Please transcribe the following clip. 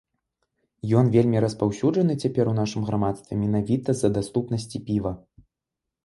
Ён вельмі распаўсюджаны цяпер у нашым грамадстве менавіта з-за даступнасці піва.